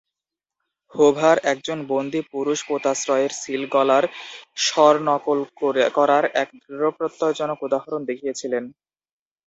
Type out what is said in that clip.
Hover, একজন বন্দি পুরুষ পোতাশ্রয়ের সীল গলার স্বর নকল করার এক দৃঢ়প্রত্যয়জনক উদাহরণ দেখিয়েছিলেন।